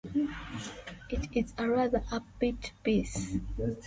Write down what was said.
It is a rather upbeat piece.